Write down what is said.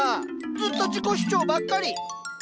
ずっと自己主張ばっかり。